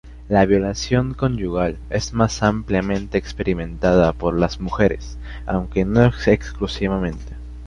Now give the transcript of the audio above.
La violación conyugal es más ampliamente experimentada por las mujeres, aunque no exclusivamente.